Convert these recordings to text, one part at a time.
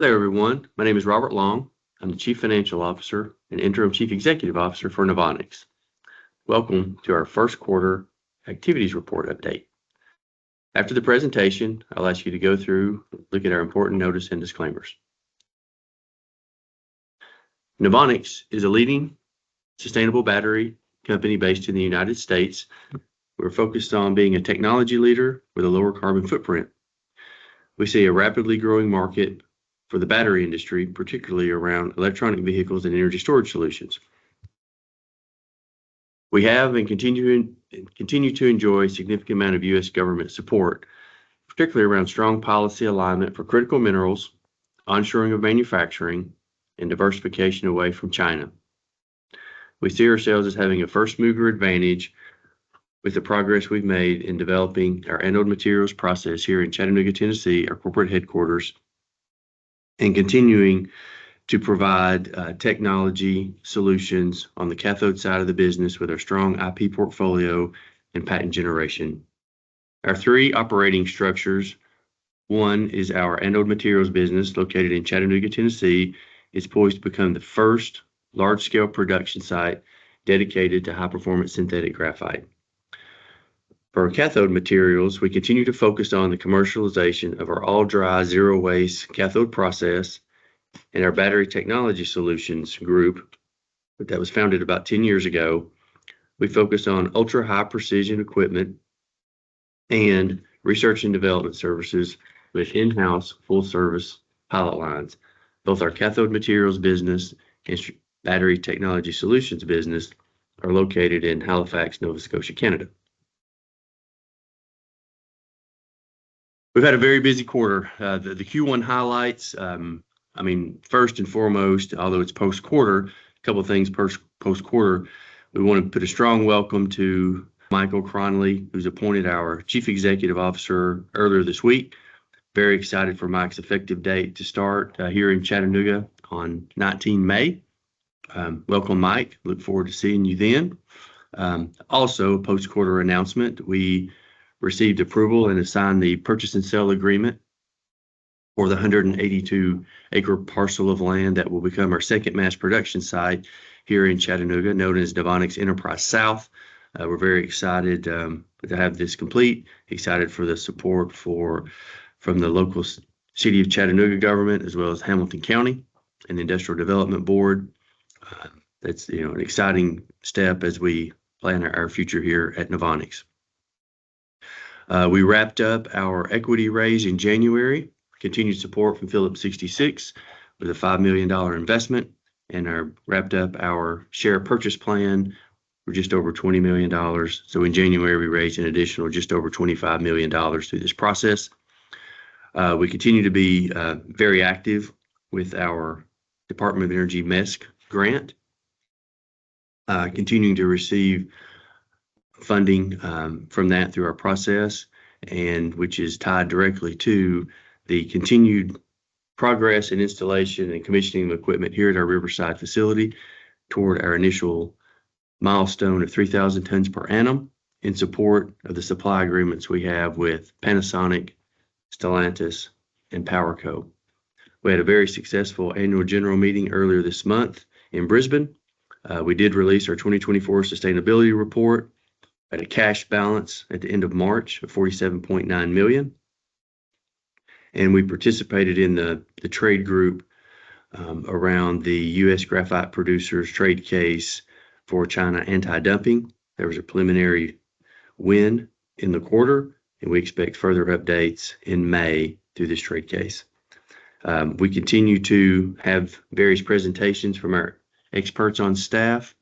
Hello, everyone. My name is Robert Long. I'm the Chief Financial Officer and Interim Chief Executive Officer for Novonix. Welcome to our first quarter activities report update. After the presentation, I'll ask you to go through and look at our important notice and disclaimers. Novonix is a leading sustainable battery company based in the United States. We're focused on being a technology leader with a lower carbon footprint. We see a rapidly growing market for the battery industry, particularly around electronic vehicles and energy storage solutions. We have, and continue to enjoy, a significant amount of U.S. government support, particularly around strong policy alignment for critical minerals, onshoring of manufacturing, and diversification away from China. We see ourselves as having a first-mover advantage with the progress we've made in developing our anode materials process here in Chattanooga, Tennessee, our corporate headquarters, and continuing to provide technology solutions on the cathode side of the business, with our strong IP portfolio and patent generation. Our three operating structures: one is our anode materials business located in Chattanooga, Tennessee. It's poised to become the first large-scale production site dedicated to high-performance synthetic graphite. For cathode materials, we continue to focus on the commercialization of our all-dry, zero-waste cathode process and our battery technology solutions group that was founded about 10 years ago. We focus on ultra-high precision equipment and research and development services with in-house full-service pilot lines. Both our cathode materials business and battery technology solutions business are located in Halifax, Nova Scotia, Canada. We've had a very busy quarter. The Q1 highlights—I mean, first and foremost, although it's post-quarter, a couple of things post-quarter. We want to put a strong welcome to Mike O'Kronley, who's appointed our Chief Executive Officer earlier this week. Very excited for Mike's effective date to start here in Chattanooga on 19 May. Welcome, Mike. Look forward to seeing you then. Also, post-quarter announcement, we received approval and signed the purchase and sale agreement for the 182-acre parcel of land that will become our second mass production site here in Chattanooga, known as Novonix Enterprise South. We're very excited to have this complete, excited for the support from the local city of Chattanooga government, as well as Hamilton County and the Industrial Development Board. That's an exciting step as we plan our future here at Novonix. We wrapped up our equity raise in January, continued support from Phillips 66 with a $5 million investment, and wrapped up our share purchase plan for just over $20 million. In January, we raised an additional just over $25 million through this process. We continue to be very active with our Department of Energy MESC grant, continuing to receive funding from that through our process, which is tied directly to the continued progress, and installation, and commissioning of equipment here at our Riverside facility toward our initial milestone of 3,000 tons per annum in support of the supply agreements we have with Panasonic, Stellantis, and PowerCo. We had a very successful annual general meeting earlier this month in Brisbane. We did release our 2024 sustainability report at a cash balance at the end of March of $47.9 million. We participated in the trade group around the U.S. Graphite producers' trade case for China anti-dumping. There was a preliminary win in the quarter, and we expect further updates in May through this trade case. We continue to have various presentations from our experts on staff,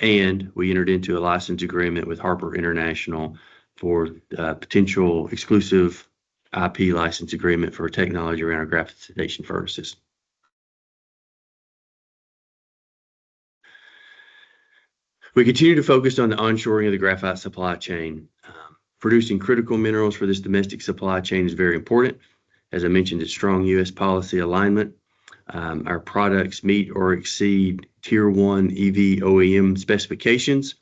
and we entered into a license agreement with Harper International for a potential exclusive IP license agreement for technology around graphitization furnaces. We continue to focus on the onshoring of the graphite supply chain. Producing critical minerals, for this domestic supply chain is very important. As I mentioned, it is strong U.S. policy alignment. Our products meet or exceed Tier 1 EV OEM specifications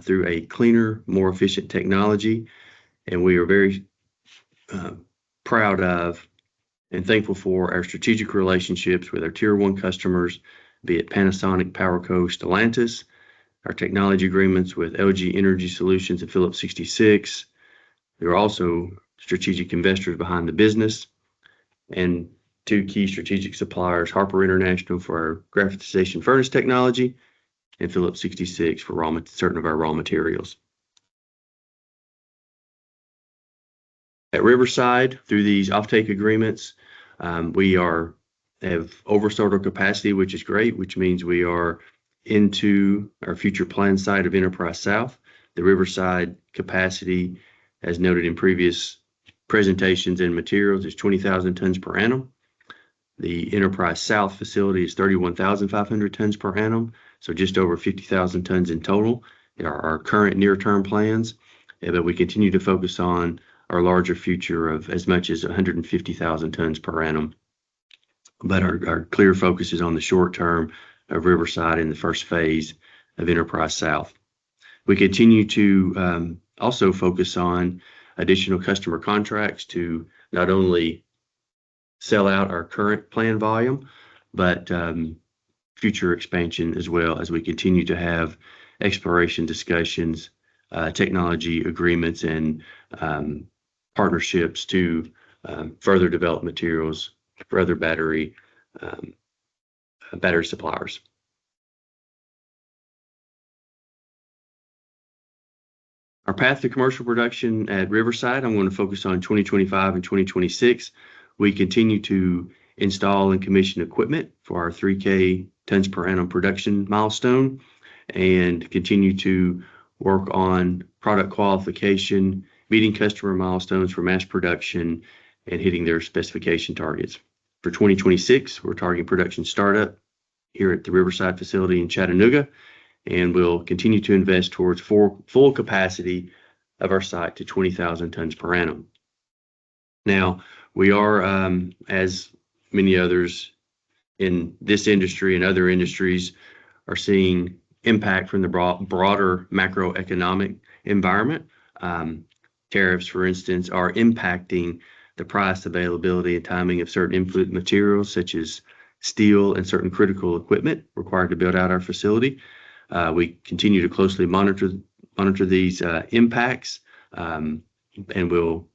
through a cleaner, more efficient technology. We are very proud of and thankful for our strategic relationships with our Tier 1 customers, be it Panasonic, PowerCo, Stellantis, our technology agreements with LG Energy Solutions and Phillips 66. There are also strategic investors behind the business and two key strategic suppliers: Harper International for our graphitization furnace technology and Phillips 66 for certain of our raw materials. At Riverside, through these offtake agreements, we have oversold our capacity, which is great, which means we are into our future planned site of Enterprise South. The Riverside capacity, as noted in previous presentations and materials, is 20,000 tons per annum. The Enterprise South facility is 31,500 tons per annum, so just over 50,000 tons in total. These are our current near-term plans, but we continue to focus on our larger future of as much as 150,000 tons per annum. Our clear focus is on the short term of Riverside in the first phase of Enterprise South. We continue to also focus on additional customer contracts to not only sell out our current plan volume, but future expansion as well, as we continue to have exploration discussions, technology agreements, and partnerships to further develop materials for other battery suppliers. Our path to commercial production at Riverside, I want to focus on 2025 and 2026. We continue to install and commission equipment for our 3,000 tons per annum production milestone and continue to work on product qualification, meeting customer milestones for mass production, and hitting their specification targets. For 2026, we're targeting production startup here at the Riverside facility in Chattanooga, and we'll continue to invest towards full capacity of our site to 20,000 tons per annum. Now, we are, as many others in this industry, and other industries, seeing impact from the broader macroeconomic environment. Tariffs, for instance, are impacting the price, availability, and timing of certain infinite materials such as steel and certain critical equipment required to build out our facility. We continue to closely monitor these impacts, and we'll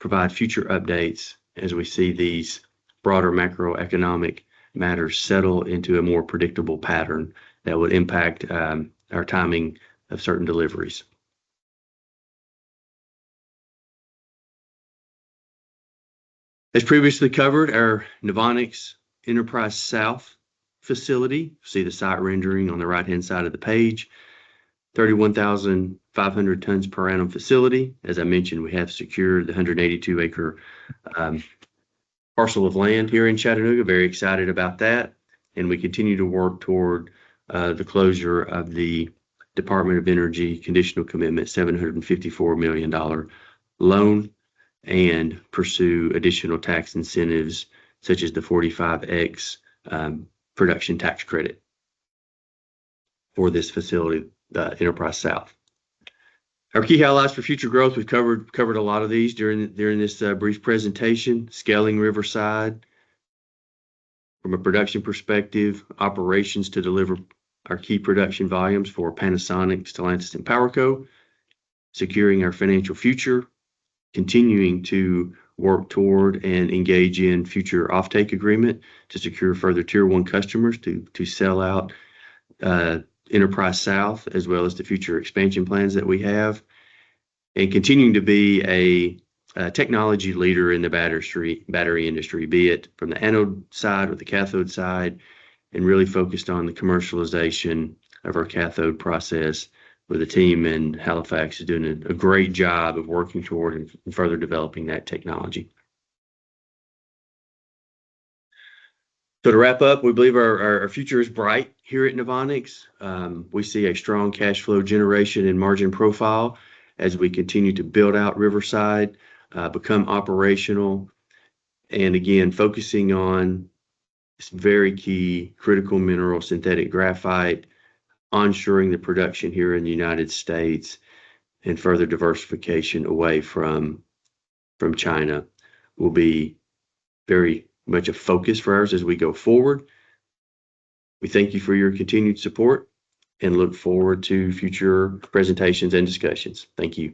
provide future updates as we see these broader macroeconomic matters settle into a more predictable pattern that would impact our timing of certain deliveries. As previously covered, our Novonix Enterprise South facility, you see the site rendering on the right-hand side of the page, 31,500 tons per annum facility. As I mentioned, we have secured the 182-acre parcel of land here in Chattanooga. Very excited about that. We continue to work toward the closure of the Department of Energy conditional commitment, $754 million loan, and pursue additional tax incentives such as the 45X production tax credit for this facility, Enterprise South. Our key highlights for future growth, we've covered a lot of these during this brief presentation. Scaling Riverside from a production perspective, operations to deliver our key production volumes for Panasonic, Stellantis, and PowerCo, securing our financial future, continuing to work toward and engage in future offtake agreement to secure further Tier 1 customers to sell out Enterprise South, as well as the future expansion plans that we have, and continuing to be a technology leader in the battery industry, be it from the anode side or the cathode side, and really focused on the commercialization of our cathode process with a team in Halifax doing a great job of working toward and further developing that technology. To wrap up, we believe our future is bright here at Novonix. We see a strong cash flow generation and margin profile as we continue to build out Riverside, become operational, and again, focusing on this very key critical mineral, synthetic graphite, onshoring the production here in the United States, and further diversification away from China will be very much a focus for us as we go forward. We thank you for your continued support and look forward to future presentations and discussions. Thank you.